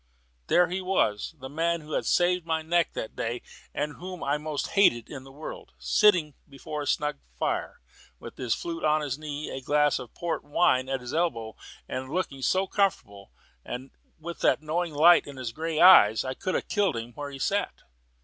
There he was, the man who had saved my neck that day, and whom most I hated in the world, sitting before a snug fire, with his flute on his knee, a glass of port wine at his elbow, and looking so comfortable, with that knowing light in his grey eyes, that I could have killed him where he sat.